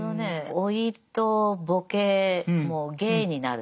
老いとボケも芸になる。